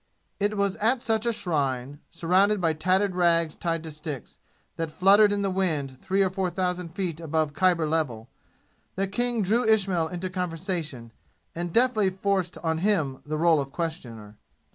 It was at such a shrine, surrounded by tattered rags tied to sticks, that fluttered in the wind three or four thousand feet above Khyber level, that King drew Ismail into conversation, and deftly forced on him the role of questioner.